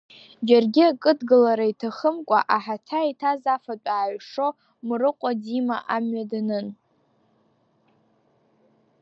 Џьаргьы акыдгылара иҭахымкәа, аҳаҭа иҭаз афатә ааҩшо, Мрыҟәа дима, амҩа данын.